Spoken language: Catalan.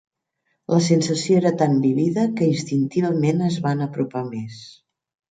La sensació era tan vívida que instintivament es van apropar més.